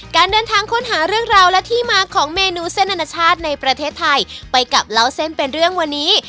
การเดินทางค้นหาเรื่องราวและที่มาของเมนูเส้นอนาชาติในประเทศไทยไปกับเล่าเส้นเป็นเรื่องวันนี้